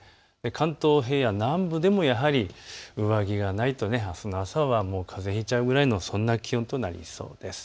関東南部でも上着がないとあすの朝はかぜをひいてしまうくらいの気温になりそうです。